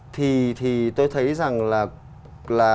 thì tôi thấy rằng là